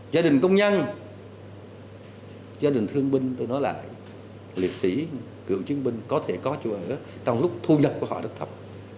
gia đình công nhân gia đình thương binh tôi nói lại liệt sĩ cựu chiến binh có thể có chỗ ở trong lúc thu nhập của họ rất thấp